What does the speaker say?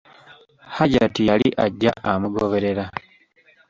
Hajjati yali ajja amugoberera.